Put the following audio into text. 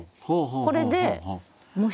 これで虫。